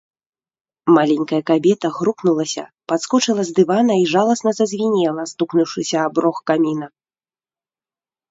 Маленькая кабета грукнулася, падскочыла з дывана і жаласна зазвінела, стукнуўшыся аб рог каміна.